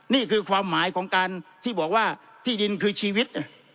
นี่คือความหมายของการที่บอกว่าที่ดินคือชีวิต